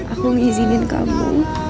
aku ngeliat kau